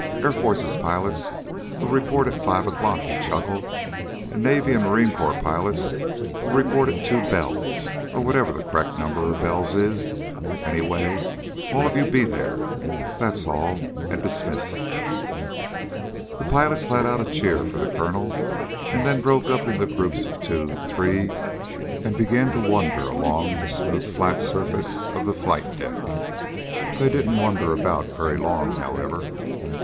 "Air Forces pilots will report at five o'clock," he chuckled. "And Navy and Marine Corps pilots will report at two bells, or whatever the correct number of bells it is. Anyway, all of you be there. That's all, and dismissed." The pilots let out a cheer for the colonel and then broke up into groups of two and three and began to wander along the smooth flat surface of the flight deck. They didn't wander about very long, however.